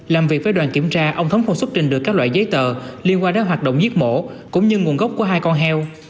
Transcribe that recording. làm việc với đoàn kiểm tra ông thấm không xuất trình được các loại giấy tờ liên quan đến hoạt động giết mổ cũng như nguồn gốc của hai con heo